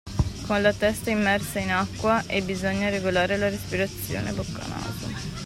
Con la testa immersa in acqua e bisogna regolare la respirazione (bocca-naso).